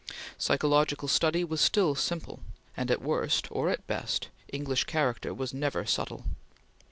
Psychological study was still simple, and at worst or at best English character was never subtile.